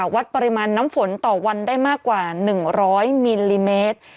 วัดปริมาณน้ำฝนต่อวันได้มากกว่า๑๐๐มิลลิเมตร